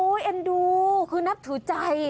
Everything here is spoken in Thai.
โอ้ยเอ็นดูคือนับถูกใจ